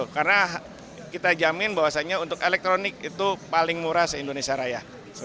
karena kita jamin bahwasannya untuk elektronik itu paling murah di indonesia raya